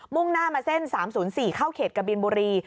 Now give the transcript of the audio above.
่งหน้ามาเส้น๓๐๔เข้าเขตกบินบุรี